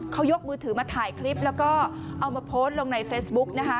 เขายกมือถือมาถ่ายคลิปแล้วก็เอามาโพสต์ลงในเฟซบุ๊กนะคะ